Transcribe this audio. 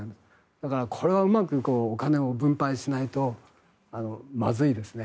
だからこれはうまくお金を分配しないとまずいですね。